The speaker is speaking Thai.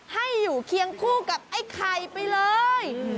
ให้อยู่เคียงคู่กับไอ้ไข่ไปเลย